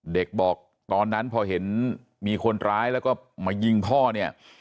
เด็กบอกตอนนั้นพอเห็นมีคนร้ายแล้วก็มายิงพ่อเนี่ย